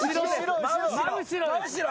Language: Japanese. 真後ろ。